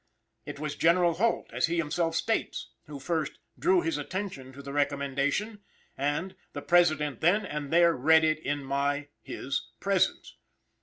It was General Holt, as he himself states, who first "drew his attention to the recommendation," and "the President then and there read it in my (his) presence."